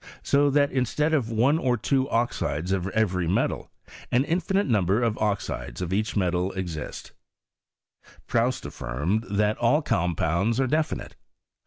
So that instead of one or two oxides of every metal, an infinite number of oxides of each metal exist. Proust affirmed that all compounds are defmite.